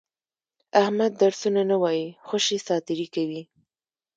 احمد درسونه نه وایي، خوشې ساتېري کوي.